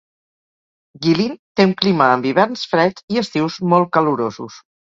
Guilin té un clima amb hiverns freds i estius molt calorosos.